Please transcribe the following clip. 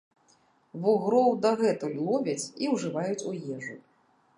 Вугроў дагэтуль ловяць і ўжываюць у ежу.